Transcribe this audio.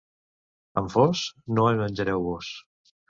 Anfós? No en menjareu vós!